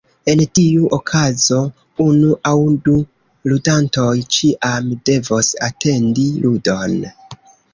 En tiu okazo, unu aŭ du ludantoj ĉiam devos atendi ludon.